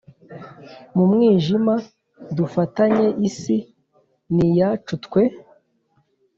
mu mwijima dufatanye isi ni iyacu twe